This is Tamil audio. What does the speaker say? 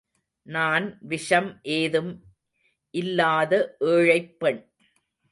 நான் விஷம் ஏதும் இல்லாத ஏழைப்பெண்.